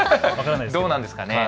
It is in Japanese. どうなんですかね。